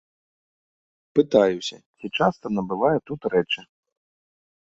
Пытаюся, ці часта набывае тут рэчы.